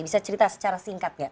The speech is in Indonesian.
bisa cerita secara singkat gak